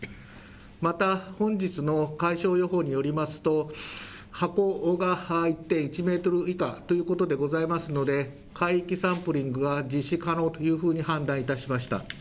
また本日の海象予報によりますと波高が１．１メートル以下ということでございますので海域サンプリングが実施可能というふうに判断いたしました。